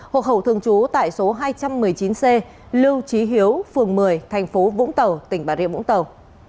hộ khẩu thường trú tại số hai trăm một mươi chín c lưu trí hiếu phường một mươi thành phố vũng tàu tỉnh bà rịa vũng tàu